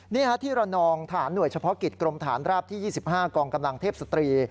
นี่ฮะที่ระนองทหารหน่วยเฉพาะกิจกรมฐานราบที่๒๕กองกำลังเทพศตรี